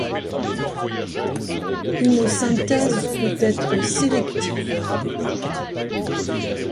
Une synthèse peut être sélective.